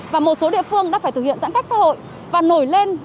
và một số địa phương đã phải thực hiện giãn cách xã hội và nổi lên